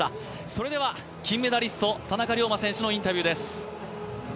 それでは金メダリスト、田中龍馬選手のインタビューです。